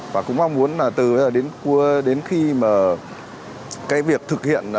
và cũng mong muốn từ đến cuối đến khi mà cái việc thực hiện